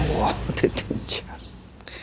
出てんじゃん。